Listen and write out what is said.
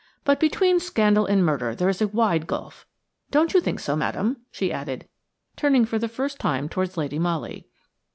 But between scandal and murder there is a wide gulf. Don't you think so, madam," she added, turning for the first time towards Lady Molly.